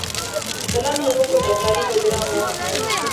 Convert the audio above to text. پلان مې وکوت او کاري پروګرام و.